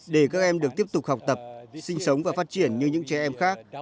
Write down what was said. để các em được tiếp tục học tập sinh sống và phát triển như những trẻ em khác